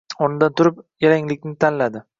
O’rnidan turib, yalanglikni tanladi.